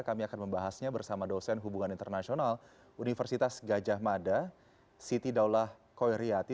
kami akan membahasnya bersama dosen hubungan internasional universitas gajah mada siti daulah koiriyati